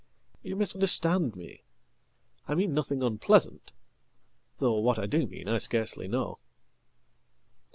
"You misunderstand me. I mean nothing unpleasant...though what I do mean Iscarcely know."